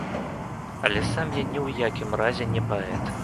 Але сам я ні ў якім разе не паэт.